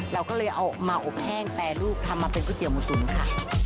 เราก็เลยเอามาอบแห้งแปรรูปทำมาเป็นก๋วเตี๋หมูตุ๋นค่ะ